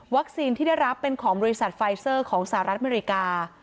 ที่ได้รับเป็นของบริษัทไฟเซอร์ของสหรัฐอเมริกา